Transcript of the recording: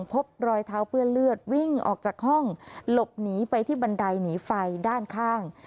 พบรอยเท้าเปื้อนเลือดวิ่งออกจากห้องหลบหนีไปที่บันไดหนีไฟด้านข้าง